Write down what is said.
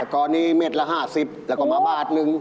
ตอนนี้เม็ดละ๕๐แล้วก็มาบาทหนึ่ง